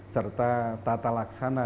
serta tata laksana